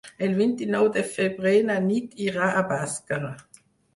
El vint-i-nou de febrer na Nit irà a Bàscara.